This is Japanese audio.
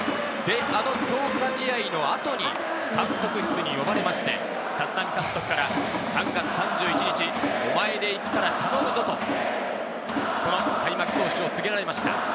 強化試合の後に監督室に呼ばれまして、立浪監督から「３月３１日、お前でいくから頼むぞ」と、その開幕投手を告げられました。